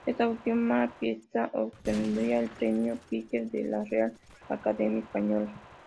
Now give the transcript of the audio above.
Esta última pieza obtendrá el Premio Piquer de la Real Academia Española.